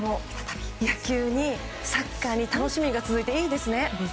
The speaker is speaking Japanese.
野球にサッカーに楽しみが続いて、いいですね。